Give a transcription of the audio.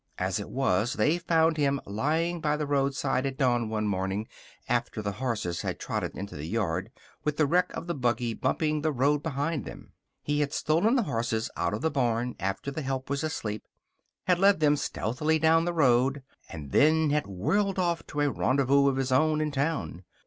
As it was, they found him lying by the roadside at dawn one morning after the horses had trotted into the yard with the wreck of the buggy bumping the road behind them. He had stolen the horses out of the barn after the help was asleep, had led them stealthily down the road, and then had whirled off to a rendezvous of his own in town.